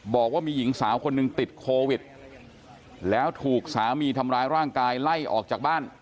บอกว่ามีหญิงสาวคนหนึ่งติดโควิดแล้วถูกสามีทำร้ายร่างกายไล่ออกจากบ้าน